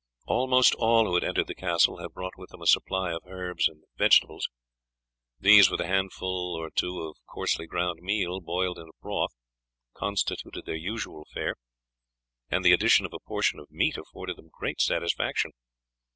Almost all who had entered the castle had brought with them a supply of herbs and vegetables; these, with a handful or two of coarsely ground meal boiled into broth, constituted their usual fare, and the addition of a portion of meat afforded them great satisfaction.